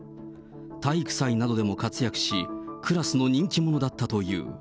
体育祭などでも活躍し、クラスの人気者だったという。